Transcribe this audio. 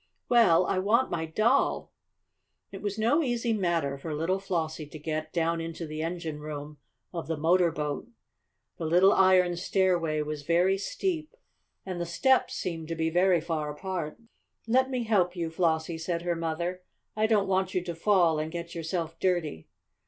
"Well, I want my doll!" It was no easy matter for little Flossie to get down into the engine room of the motor boat. The little iron stairway was very steep, and the steps seemed to be very far apart. "Let me help you, Flossie," said her mother. "I don't want you to fall and get yourself dirty."